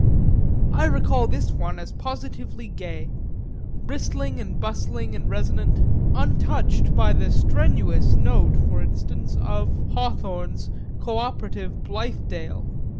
I recall this one as positively gay bristling and bustling and resonant, untouched by the strenuous note, for instance, of Hawthorne's co operative Blithedale.